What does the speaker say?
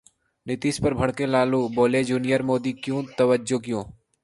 नीतीश पर भड़के लालू, बोले 'जूनियर' मोदी को तवज्जो क्यों?